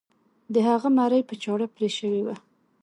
د هغه مرۍ په چاړه پرې شوې وه.